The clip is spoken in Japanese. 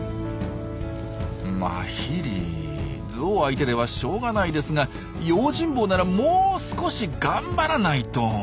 マヒリゾウ相手ではしょうがないですが用心棒ならもう少し頑張らないと！